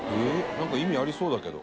なんか意味ありそうだけど」